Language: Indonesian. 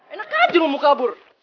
enak aja mau kabur